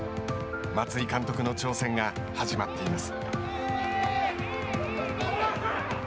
松井監督の挑戦が始まっています。